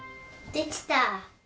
できた！